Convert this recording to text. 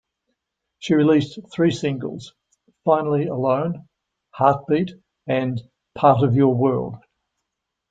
She released three singles: "Finally Alone", "Heartbeat" and Part of Your World.